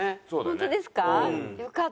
本当ですか？